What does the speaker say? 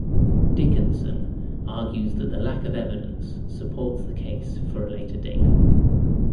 Dickinson argues that the lack of evidence supports the case for a later date.